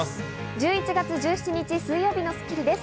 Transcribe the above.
１１月１７日、水曜日の『スッキリ』です。